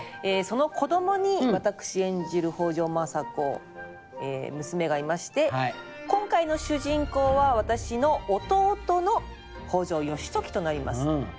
その子供に私演じる北条政子娘がいまして今回の主人公は私の弟の北条義時となります。